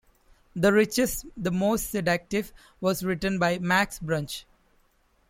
The richest, the most seductive, was written by Max Bruch.